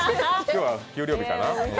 今日は給料日かな？